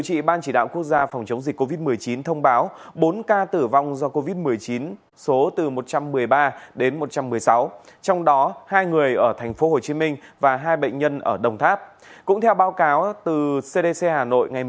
xin chào và hẹn gặp lại